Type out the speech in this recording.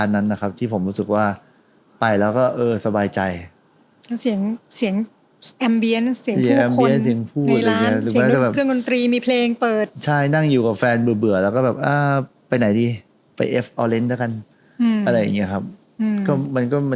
มีผลกระทบอะไรกับเราบ้างไหม